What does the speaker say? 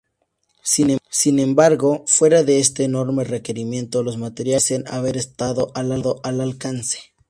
Sin embargo, fuera de este enorme requerimiento, los materiales parecen haber estado al alcance.